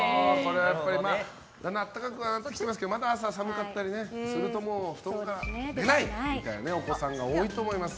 だんだん暖かくはなってきてますけどまだ朝は寒かったりすると布団から出ないお子さんが多いと思います。